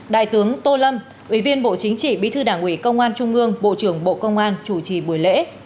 đại tướng tô lâm ủy viên bộ chính trị bí thư đảng ủy công an trung ương bộ trưởng bộ công an chủ trì buổi lễ